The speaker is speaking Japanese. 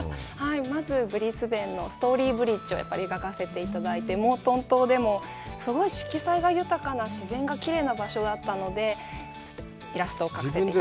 まずブリスベンのストーリーブリッジを描かせていただいて、モートン島でもすごい色彩が豊かな、自然がきれいだったので、イラストを描かせていただきました。